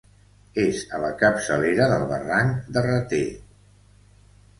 És a la capçalera del barranc de Rater.